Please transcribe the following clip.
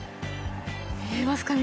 見えますか？